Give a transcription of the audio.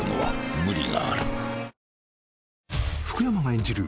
福山が演じる